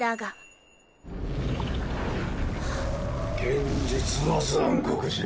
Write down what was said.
現実は残酷じゃ。